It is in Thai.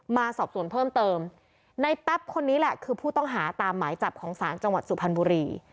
มาสอบสวนเพิ่มเติมในแป๊บคนนี้แหละคือผู้ต้องหาตามหมายจับของศาลจังหวัดสุพรรณบุรี